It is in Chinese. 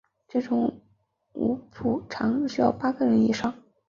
这种舞通常需要八个人以上的舞者两两一对地跳。